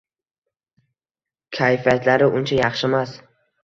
Kayfiyatlari uncha yaxshimas.